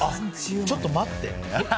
ちょっと待って。